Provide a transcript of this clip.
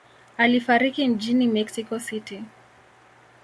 Alifariki mjini Mexico City.